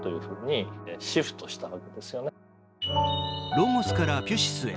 ロゴスからピュシスへ。